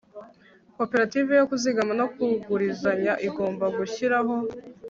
koperative yo kuzigama no kugurizanya igomba gushyiraho